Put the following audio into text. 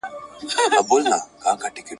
مامور په ډېر دقت سره د هېټلر د مجسمې مخ ته کتل.